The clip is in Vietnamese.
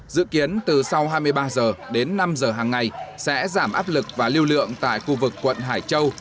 dự kiến từ sau hai mươi ba h đến năm h hàng ngày sẽ giảm áp lực và lưu lượng tại khu vực quận hải châu